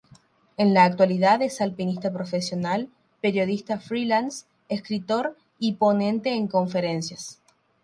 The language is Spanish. En la actualidad es alpinista profesional, periodista freelance, escritor y ponente en conferencias.